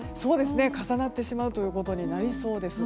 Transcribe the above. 重なってしまうということになりそうです。